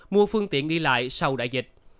mua phương tiện đi lại sau đại dịch